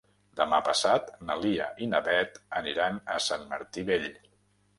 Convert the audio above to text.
Demà passat na Lia i na Beth aniran a Sant Martí Vell.